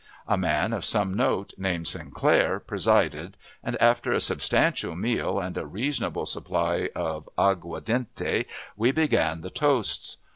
A man of some note, named Sinclair, presided, and after a substantial meal and a reasonable supply of aguardiente we began the toasts.